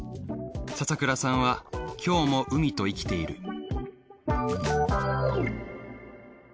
笹倉さんは今日も海と生きている。